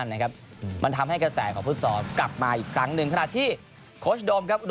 สิ่งการทำอาทิตย์กับผู้สินนะครับว่าก็มีหลายจังหวัดที่ค้าใส่ตา